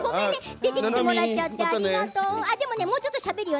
出てきてもらってありがとう。